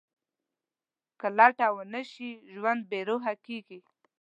که لټه ونه شي، ژوند بېروح کېږي.